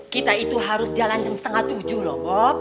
kita itu harus jalan jam setengah tujuh lho bob